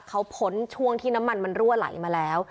เขาพ้นช่วงที่น้ำมันมันรั่วไหลมาแล้ว